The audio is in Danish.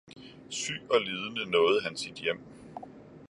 syg og lidende nåede han sit hjem.